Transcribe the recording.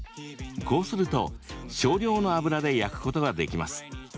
こうすると少量の油で焼くことができます。